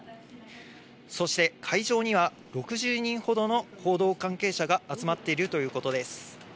そして会場には６０人ほどの報道関係者が集まっているということです。